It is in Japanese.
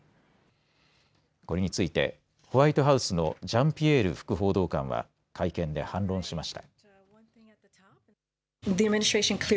これについてホワイトハウスのジャンピエール副報道官は会見で反論しました。